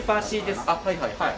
はいはいはい。